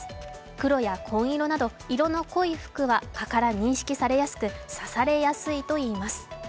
黒や紺色など色の濃い服は蚊から認識されやすく刺されやすいといいます。